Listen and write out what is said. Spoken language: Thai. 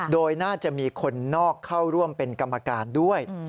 โดยน่าจะมีคนนอกเข้าร่วมเป็นกรรมการด้วย